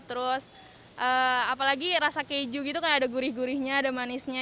terus apalagi rasa keju gitu kan ada gurih gurihnya ada manisnya